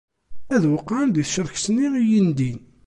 Ad weqɛen di tcerket-nni i iyi-ndin.